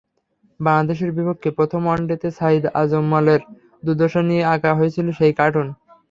বাংলাদেশের বিপক্ষে প্রথম ওয়ানডেতে সাঈদ আজমলের দুর্দশা নিয়ে আঁকা হয়েছিল সেই কার্টুন।